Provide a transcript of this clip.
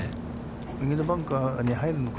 右のバンカーに入るのか。